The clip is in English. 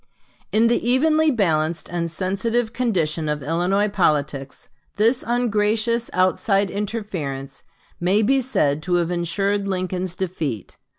In the evenly balanced and sensitive condition of Illinois politics this ungracious outside interference may be said to have insured Lincoln's defeat.